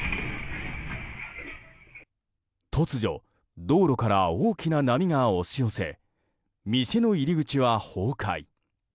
突如、道路から大きな波が押し寄せ店の入り口は崩壊。